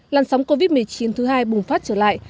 làn sóng covid một mươi chín thứ hai bùng phát trở lại